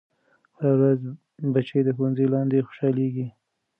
هره ورځ بچے د ښوونځي لاندې خوشحالېږي.